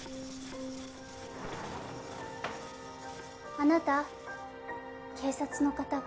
あなた警察の方が。